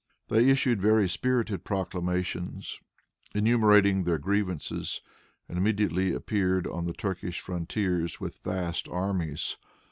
They issued very spirited proclamations enumerating their grievances, and immediately appeared on the Turkish frontiers with vast armies.